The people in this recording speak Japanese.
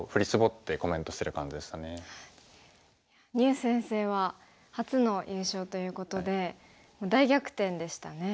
牛先生は初の優勝ということで大逆転でしたね。